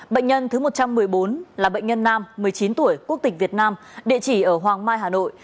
bệnh nhân thứ một trăm một mươi bốn là bệnh nhân nam một mươi chín tuổi quốc tịch việt nam địa chỉ ở hoàng mai hà nội